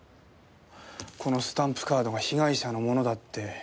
このスタンプカードが被害者のものだって。